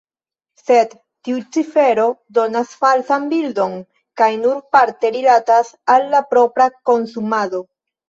Sed tiu cifero donas falsan bildon kaj nur parte rilatas al la propra konsumado.